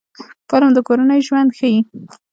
فلم د کورنۍ ژوند ښيي